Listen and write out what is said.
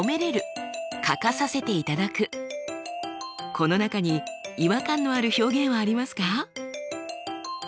この中に違和感のある表現はありますか？